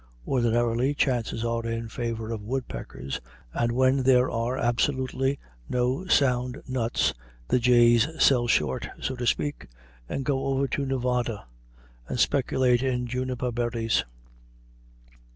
Ordinarily chances are in favor of woodpeckers, and when there are absolutely no sound nuts the jays sell short, so to speak, and go over to Nevada and speculate in juniper berries.